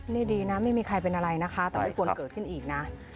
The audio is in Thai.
นี่ดีนะไม่มีใครเป็นอะไรนะคะแต่ไม่ควรเกิดขึ้นอีกนะ